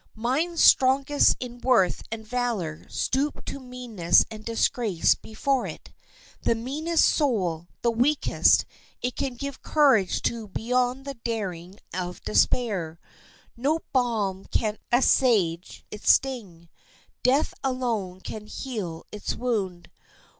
Minds strongest in worth and valor stoop to meanness and disgrace before it. The meanest soul, the weakest, it can give courage to beyond the daring of despair. No balm can assuage its sting. Death alone can heal its wound.